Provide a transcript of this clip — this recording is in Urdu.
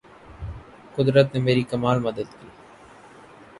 قدرت نے میری کمال مدد کی